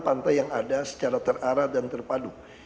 pantai yang ada secara terarah dan terpadu